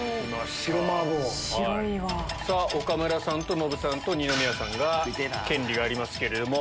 さぁ岡村さんとノブさんと二宮さんが権利があります。